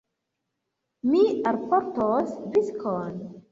Mi alportos viskion.